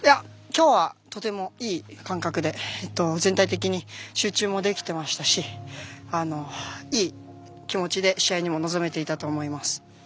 今日はとてもいい感覚で全体的に集中もできていましたしいい気持ちで試合にも臨めていたと思います。